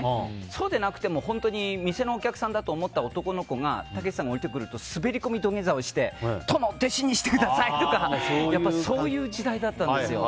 そうでなくても本当に店のお客さんだと思った男の子がたけしさんが下りてくると滑り込み土下座をして殿、弟子にしてください！ってそういう時代だったんです。